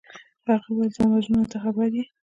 هغې وویل: زما مجنونه، ته خبر یې؟